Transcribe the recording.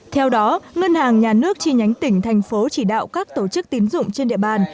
theo đó ngân hàng nhà nước chi nhánh tỉnh thành phố chỉ đạo các tổ chức tín dụng trên địa bàn